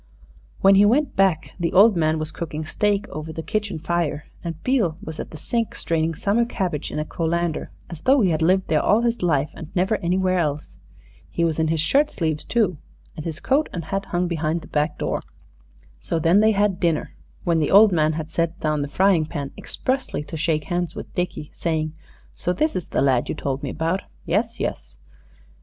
When he went back the old man was cooking steak over the kitchen fire, and Beale was at the sink straining summer cabbage in a colander, as though he had lived there all his life and never anywhere else. He was in his shirt sleeves too, and his coat and hat hung behind the back door. So then they had dinner, when the old man had set down the frying pan expressly to shake hands with Dickie, saying, "So this is the lad you told me about. Yes, yes."